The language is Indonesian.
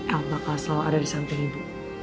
el bakal selalu ada di samping ibu